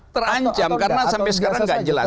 terancam karena sampai sekarang nggak jelas